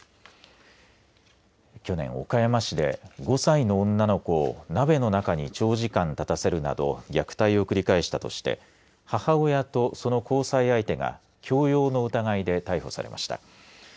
去年、岡山市で５歳の女の子を鍋の中に長時間立たせるなど虐待を繰り返したとして母親と、その交際相手が強要の疑いで逮捕されました。